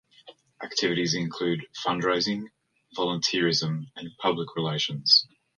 Activities include fund-raising, volunteerism, and public relations.